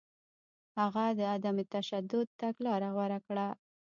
هغه د عدم تشدد تګلاره غوره کړه.